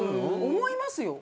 思いますよ。